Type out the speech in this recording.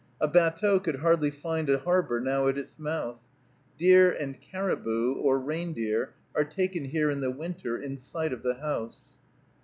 A batteau could hardly find a harbor now at its mouth. Deer and caribou, or reindeer, are taken here in the winter, in sight of the house.